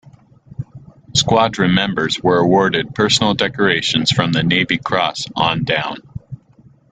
Squadron members were awarded personal decorations from the Navy Cross on down.